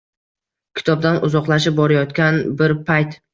Kitobdan uzoqlashib borayotgan bir payt.